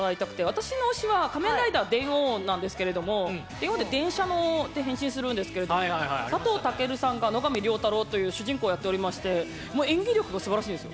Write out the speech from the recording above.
私の推しは「仮面ライダー電王」なんですけれども「電王」って電車で変身するんですけれど佐藤健さんが野上良太郎という主人公やっておりましてもう演技力がすばらしいんです。